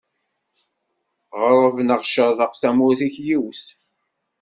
Ɣerreb neɣ cerreq, tamurt-ik yiwet.